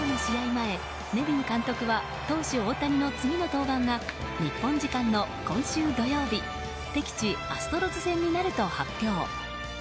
前、ネビン監督は投手・大谷の次の登板が日本時間の今週土曜日敵地アストロズ戦になると発表。